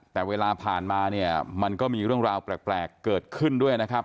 แต่เวลาผ่านมาเนี่ยมันก็มีเรื่องราวแปลกเกิดขึ้นด้วยนะครับ